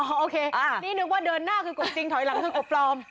โอเคนี่นึกว่าเดินหน้าคือกบจริงถอยหลังคือกบปลอม